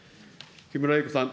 木村英子さん。